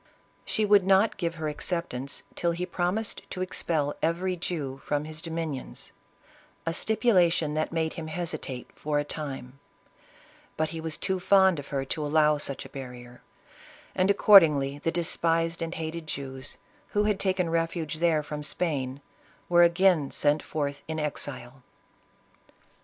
She would not give her acceptance till he promised to expel every Jew from his domin ions— a stipulation that made him hesitate for a time ; but he was too fond of her to allow such a barrier, and accordingly fhe despised and hated Jews, who had taken refuge there from Spain, were again sent forth in exile.